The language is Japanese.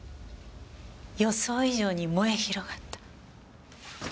予想以上に燃え広がった。